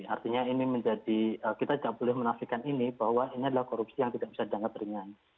artinya ini menjadi kita tidak boleh menafikan ini bahwa ini adalah korupsi yang tidak bisa dianggap ringan